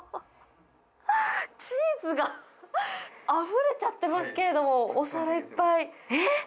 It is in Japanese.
チーズがあふれちゃってますけど、お皿いっぱい。